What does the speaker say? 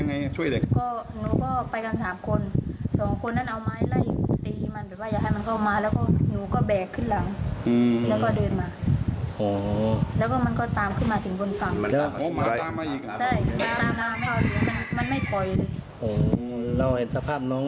ในก็ไปกันสามคนสองคนนั้นเอาไม้ไล่แล้วก็ตีมันแบบว่าอย่าให้มันเข้ามาแล้วก็หนูก็แบกขึ้นหลังแล้วก็เดินมาโอ้โหแล้วก็ตามขึ้นมาถึงบนฝั่ง